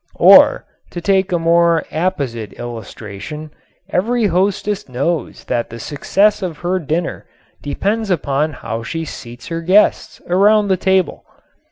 Or, to take a more apposite illustration, every hostess knows that the success of her dinner depends upon how she seats her guests around the table.